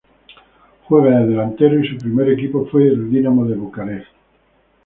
Juega de delantero y su primer equipo fue Dinamo Bucarest.